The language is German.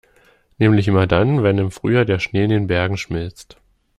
Nämlich immer dann, wenn im Frühjahr der Schnee in den Bergen schmilzt.